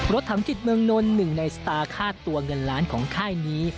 รถถามจิตเมืองนนท์๑ในสตาร์ฆาตตัวเงินล้านของค่ายนี้